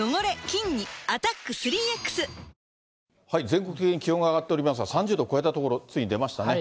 全国的に気温が上がっておりますが、３０度超えたところ、ついに出ましたね。